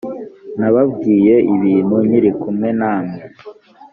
nababwiye ibi bintu nkiri kumwe namwe